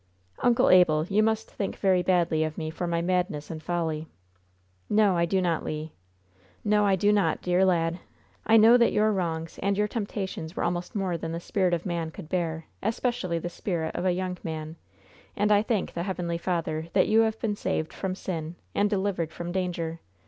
"Uncle Abel, you must think very badly of me for my madness and folly." "No, I do not, Le. No, I do not, dear lad. I know that your wrongs and your temptations were almost more than the spirit of man could bear, especially the spirit of a young man; and I thank the Heavenly Father that you have been saved from sin and delivered from danger!"